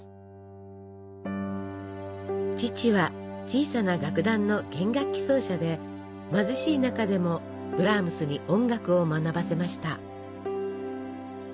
父は小さな楽団の弦楽器奏者で貧しい中でもブラームスに音楽を学ばせました。